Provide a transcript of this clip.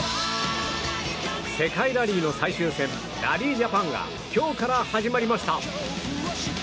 世界ラリーの最終戦ラリー・ジャパンが今日から始まりました。